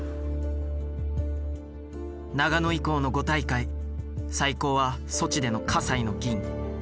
長野以降の５大会最高はソチでの西の銀。